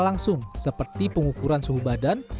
langsung seperti pengukuran suhu badan